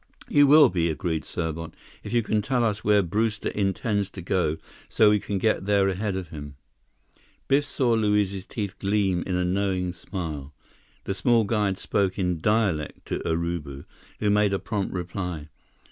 "You will be," agreed Serbot, "if you can tell us where Brewster intends to go, so we can get there ahead of him." Biff saw Luiz's teeth gleam in a knowing smile. The small guide spoke in dialect to Urubu, who made a prompt reply.